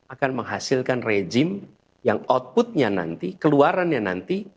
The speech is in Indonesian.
akan menghasilkan rejim yang outputnya nanti keluarannya nanti